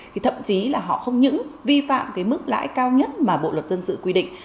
thì thậm chí là họ không những vi phạm cái mức lãi cao nhất mà bộ luật dân sự quy định